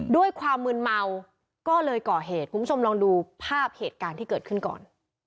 ด้วยความมืนเมาก็เลยก่อเหตุคุณผู้ชมลองดูภาพเหตุการณ์ที่เกิดขึ้นก่อน